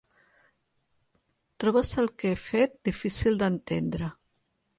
Trobes el que he fet difícil d'entendre.